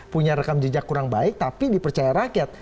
punya rekam jejak kurang baik tapi dipercaya rakyat